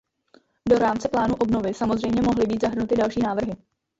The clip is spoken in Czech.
Do rámce plánu obnovy samozřejmě mohly být zahrnuty další návrhy.